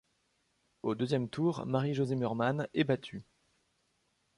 Au deuxième tour, Marie-Jo Zimmermann est battue.